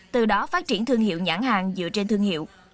từ đó phát triển thương hiệu nhãn hàng dựa trên thương hiệu